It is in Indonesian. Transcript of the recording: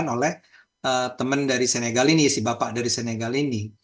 dilakukan oleh teman dari senegal ini si bapak dari senegal ini